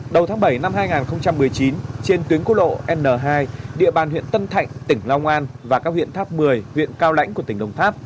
đầu tháng bảy năm hai nghìn một mươi chín trên tuyến quốc lộ n hai địa bàn huyện tân thạnh tỉnh long an và các huyện tháp một mươi huyện cao lãnh của tỉnh đồng tháp